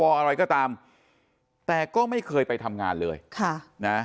อะไรก็ตามแต่ก็ไม่เคยไปทำงานเลยค่ะนะ